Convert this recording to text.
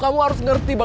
belah harus kteng hatiku